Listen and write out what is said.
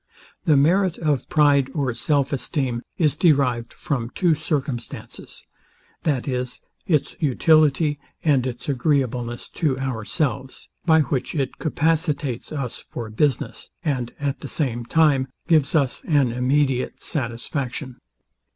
The merit of pride or self esteem is derived from two circumstances, viz, its utility and its agreeableness to ourselves; by which it capacitates us for business, and, at the same time, gives us an immediate satisfaction.